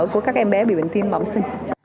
của các em bé bị bệnh tim bảo sinh